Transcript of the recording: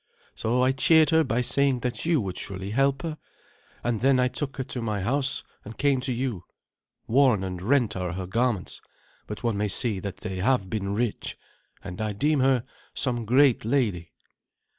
So I cheered her by saying that you would surely help her; and then I took her to my house and came to you. Worn and rent are her garments, but one may see that they have been rich, and I deem her some great lady."